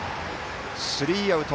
スリーアウト。